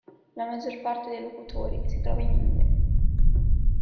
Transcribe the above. La maggior parte dei locutori si trova in India.